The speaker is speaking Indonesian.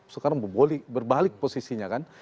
sekarang berbalik posisinya kan